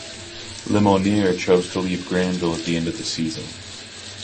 Lemonnier chose to leave Granville at the end of the season.